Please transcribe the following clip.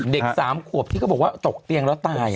เด็กสามขวบที่ก็บอกว่าตกเตียงแล้วตาย